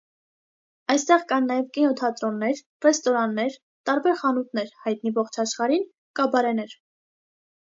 Այստեղ կան նաև կինոթատրոններ, ռեստորաններ, տարբեր խանութներ՝ հայտնի ողջ աշխարհին, կաբարեներ։